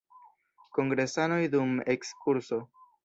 Kongresanoj dum ekskurso.